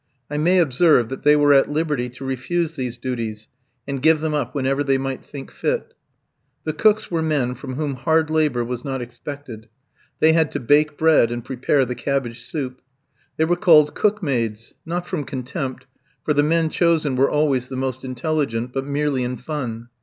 I may observe that they were at liberty to refuse these duties, and give them up whenever they might think fit. The cooks were men from whom hard labour was not expected. They had to bake bread and prepare the cabbage soup. They were called "cook maids," not from contempt, for the men chosen were always the most intelligent, but merely in fun.